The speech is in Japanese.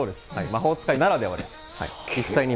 魔法使いならではです。